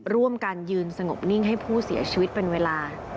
ร่วมกันยืนสงบนิ่งให้ผู้เสียชีวิตเป็นเวลา